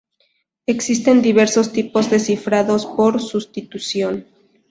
Existen diversos tipos de cifrados por sustitución.